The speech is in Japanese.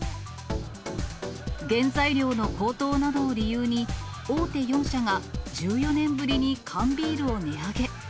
原材料の高騰などを理由に、大手４社が１４年ぶりに缶ビールを値上げ。